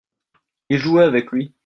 il jouait avec lui.